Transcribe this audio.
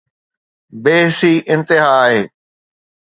بي حسي انتها آهي.